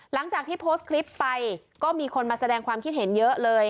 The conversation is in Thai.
หลังจากที่โพสต์คลิปไปก็มีคนมาแสดงความคิดเห็นเยอะเลย